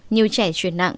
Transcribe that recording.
nhiều trẻ chuyển nặng